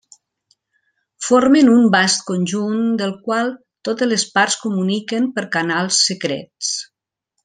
Formen un vast conjunt del qual totes les parts comuniquen per canals secrets.